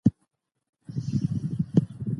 د خپل اقتصاد د پیاوړتیا لپاره پانګونه ډیره کړئ.